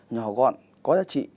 nhỏ gọn có giá trị